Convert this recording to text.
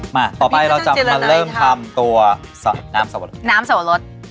มาต่อไปเราจะมาเริ่มทำตัวน้ำสวรรค์น้ำสวรรค์